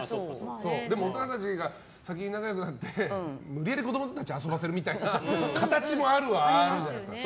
でも、大人たちが先に仲良くなって無理やり子供たちを遊ばせるみたいな形もあるはあるじゃないですか。